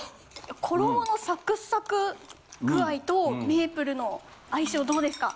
衣のサクサク具合とメイプルの相性どうですか？